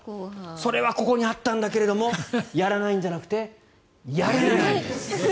それはここにあったんだけどやらないんじゃなくてやれないんです。